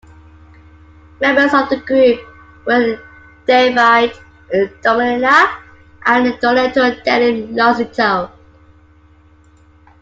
Members of the group were Davide Domenella and Donato "Dany" Losito.